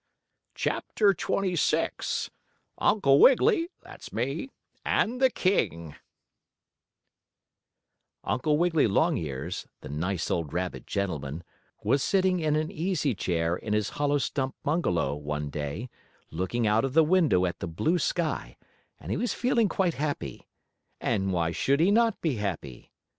CHAPTER XXVI UNCLE WIGGILY AND THE KING Uncle Wiggily Longears, the nice old rabbit gentleman, was sitting in an easy chair in his hollow stump bungalow, one day, looking out of the window at the blue sky, and he was feeling quite happy. And why should he not be happy?